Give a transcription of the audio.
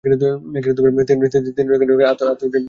তিনি ‘’ডেকা-ডেকেরীর বেদ, আহুতি ইত্যাদি পুস্তক রচনা করেন।